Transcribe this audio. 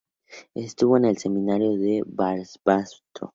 Estuvo en el Seminario de Barbastro.